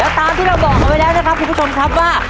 ตามที่เราบอกเอาไว้แล้วนะครับคุณผู้ชมครับว่า